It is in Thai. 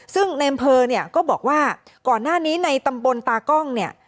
ซึ่งในอำเภอเนี่ยก็บอกว่าก่อนหน้านี้ในตำบลตากล้องเนี่ย